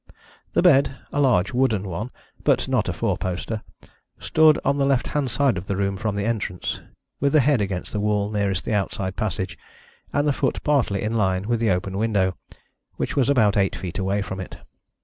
The bed a large wooden one, but not a fourposter stood on the left hand side of the room from the entrance, with the head against the wall nearest the outside passage, and the foot partly in line with the open window, which was about eight feet away from it.